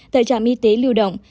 tại trạm y tế lưu động